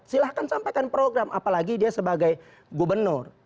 silahkan sampaikan program apalagi dia sebagai gubernur